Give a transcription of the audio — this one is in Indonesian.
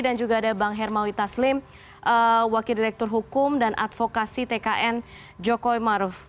dan juga ada bang hermawi taslim wakil direktur hukum dan advokasi tkn jokowi maruf